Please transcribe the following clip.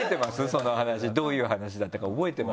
その話どういう話だったか覚えてます？